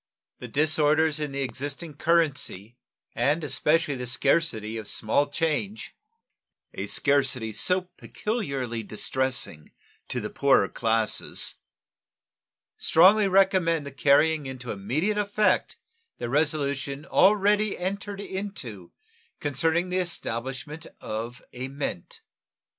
The disorders in the existing currency, and especially the scarcity of small change, a scarcity so peculiarly distressing to the poorer classes, strongly recommend the carrying into immediate effect the resolution already entered into concerning the establishment of a mint.